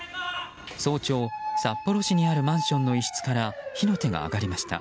早朝、札幌市にあるマンションの一室から火の手が上がりました。